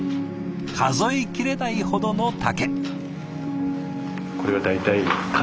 数え切れないほどの竹。